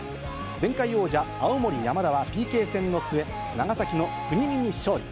前回王者、青森山田はＰＫ戦の末、長崎の国見に勝利。